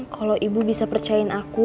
kalau ibu bisa percayain aku